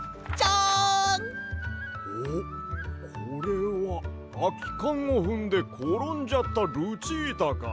おっこれはあきかんをふんでころんじゃったルチータか！